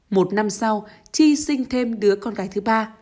một năm sau chi sinh thêm đứa con gái thứ ba